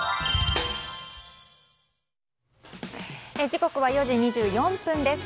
時刻は４時２４分です。